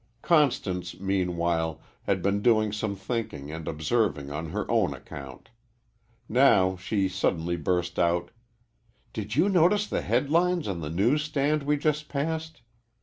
Constance, meanwhile, had been doing some thinking and observing on her own account. Now she suddenly burst out: "Did you notice the headlines on the news stand we just passed?